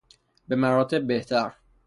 به مراتب بهتر